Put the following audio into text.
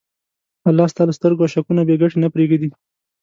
الله ستا له سترګو اشکونه بېګټې نه پرېږدي.